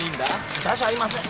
豚じゃありません。